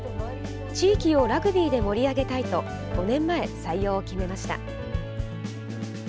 地域をラグビーで盛り上げたいと５年前、採用を決めました。